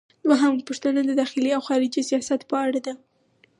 دوهمه پوښتنه د داخلي او خارجي سیاست په اړه ده.